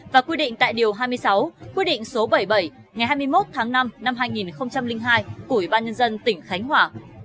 và quy định tại điều hai mươi sáu quy định số bảy mươi bảy ngày hai mươi một tháng năm năm hai nghìn hai của ủy ban nhân dân tỉnh khánh hòa